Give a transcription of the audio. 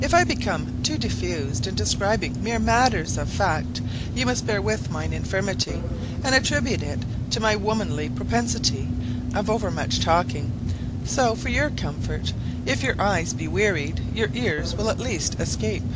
If I become too diffuse in describing mere matters of fact, you must bear with mine infirmity, and attribute it to my womanly propensity of over much talking; so, for your comfort, if your eyes be wearied, your ears will at least escape.